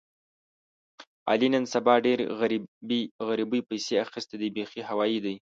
علي نن سبا ډېر غریبۍ پسې اخیستی دی بیخي هوایي دی.